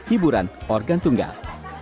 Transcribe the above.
hiburan organ tunggal